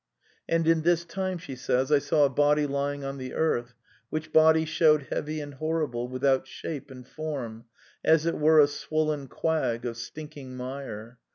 ''And in this time I saw a body lying on the earth, which body shewed heavy and horrible, without shape and form, as it were a swollen quag of stinking mire.